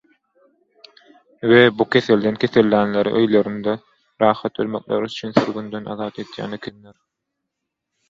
we bu keselden kesellänleri öýlerinde rahat ölmekleri üçin sürgünden azat edýän ekenler.